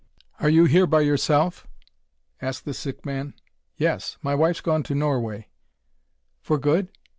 "Are you here by yourself?" asked the sick man. "Yes. My wife's gone to Norway." "For good?"